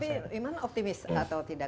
tapi iman optimis atau tidak